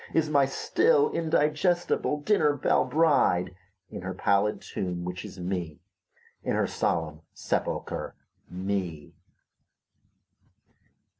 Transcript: Is n^y still indigestible dinner belle bride, In her pallid tomb, which is Me, In her solemn sepulcher, Me.